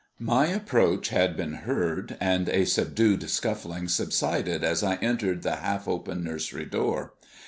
My approach had been heard, and a subdued scuffling subsided as I entered the half open nursery door.